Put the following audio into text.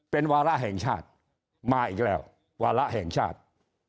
เป็นวาระแห่งชาติมาอีกแล้ววาระแห่งชาติ